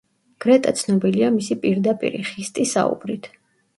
გრეტა ცნობილია მისი პირდაპირი, ხისტი საუბრით.